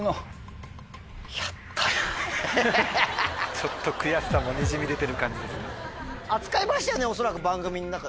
ちょっと悔しさもにじみ出てる感じですね。